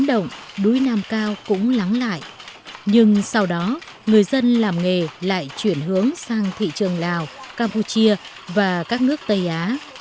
núi nam cao cũng lắng lại nhưng sau đó người dân làm nghề lại chuyển hướng sang thị trường lào campuchia và các nước tây á